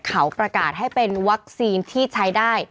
เขาประกาศให้เป็นวัคซีนที่ใช้ได้